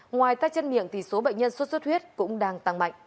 ngoài tay chân miệng thì số bệnh nhân sốt xuất huyết cũng đang tăng mạnh